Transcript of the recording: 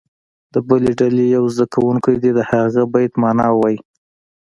د بلې ډلې یو زده کوونکی دې د هغه بیت معنا ووایي.